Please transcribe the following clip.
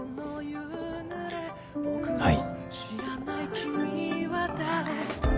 はい。